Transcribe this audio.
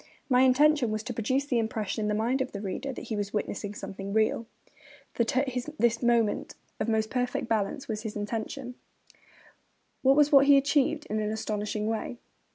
My intention was to produce the impression in the mind of the reader that he was witnessing something real.' That, at his moment of most perfect balance, was his intention; that was what he achieved in an astonishing way.